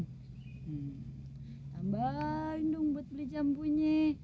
tambahin dong buat beli jambunya